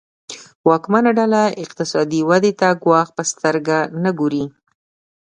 واکمنه ډله اقتصادي ودې ته ګواښ په سترګه نه ګوري.